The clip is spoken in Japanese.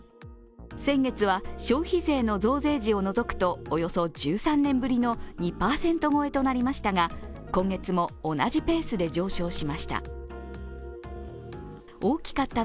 先月は消費税の増税時を除くとおよそ１３年ぶりの２％超えとなりましたが今月も同じペースで上昇しました。